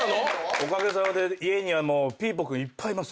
おかげさまで家にはもうピーポくんいっぱいいます。